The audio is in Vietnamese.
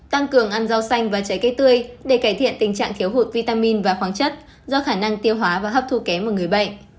tăng cường ăn rau xanh và trái cây tươi để cải thiện tình trạng thiếu hụt vitamin và khoáng chất do khả năng tiêu hóa và hấp thu kém một người bệnh